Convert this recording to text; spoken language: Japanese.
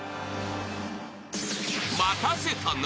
［待たせたな。